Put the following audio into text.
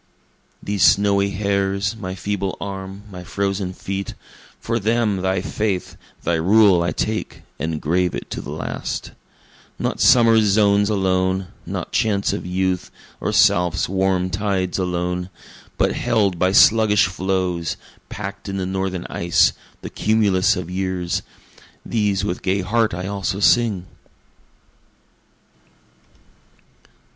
These snowy hairs, my feeble arm, my frozen feet, For them thy faith, thy rule I take, and grave it to the last; Not summer's zones alone not chants of youth, or south's warm tides alone, But held by sluggish floes, pack'd in the northern ice, the cumulus of years, These with gay heart I also sing.